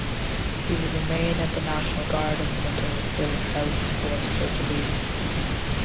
She would remain at the National Gardens until ill health forced her to leave.